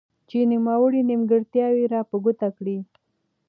چې نوموړي نيمګړتياوي را په ګوته کړي.